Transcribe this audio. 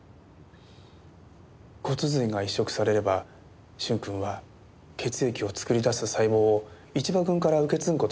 骨髄が移植されれば駿君は血液を作り出す細胞を一場君から受け継ぐ事になります。